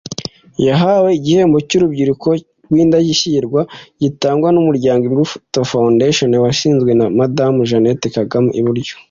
Yahawe igihembo cy'urubyiruko rw'indashyikirwa gitangwa n'umuryango Imbuto Foundation washinzwe na Madamu Jeannette Kagame (iburyo)